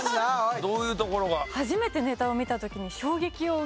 どういうところが？